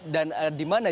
dan di mana